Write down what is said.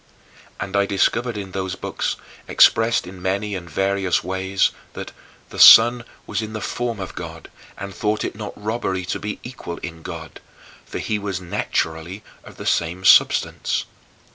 And I discovered in those books, expressed in many and various ways, that "the Son was in the form of God and thought it not robbery to be equal in God," for he was naturally of the same substance.